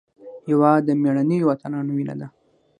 هېواد د مېړنیو اتلانو وینه ده.